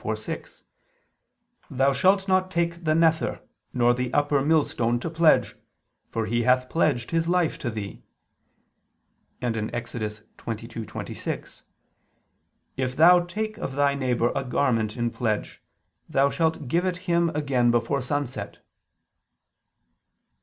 24:6): "Thou shalt not take the nether nor the upper millstone to pledge; for he hath pledged his life to thee": and (Ex. 22:26): "If thou take of thy neighbor a garment in pledge, thou shalt give it him again before sunset."